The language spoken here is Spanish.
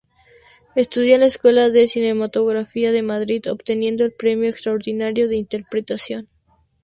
Estudió en la Escuela de Cinematografía de Madrid, obteniendo el Premio Extraordinario de Interpretación.